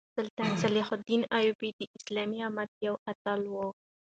سلطان صلاح الدین ایوبي د اسلامي امت یو اتل وو.